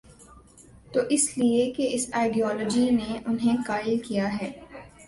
تو اس لیے کہ اس آئیڈیالوجی نے انہیں قائل کیا ہے۔